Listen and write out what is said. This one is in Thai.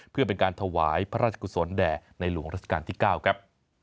เพื่อเป็นการถวายพระราชกุศลแด่ในหลวงราชการที่๙ครับ